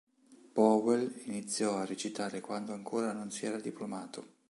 Powell iniziò a recitare quando ancora non si era diplomato.